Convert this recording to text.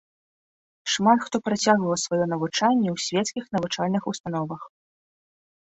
Шмат хто працягваў сваё навучанне ў свецкіх навучальных установах.